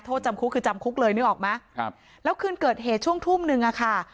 โทษจำคุกคือจำคุกเลยนึกออกไหมครับแล้วคืนเกิดเหตุช่วงทุ่มหนึ่งอ่ะค่ะ